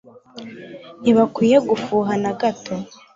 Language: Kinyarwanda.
Ntibakwiriye gufuha na gato